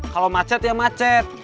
kalo macet ya macet